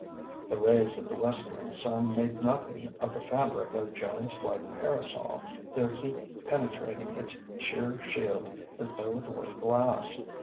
The rays of the westering sun made nothing of the fabric of Joan's white parasol, their heat penetrating its sheer shield as though it were glass.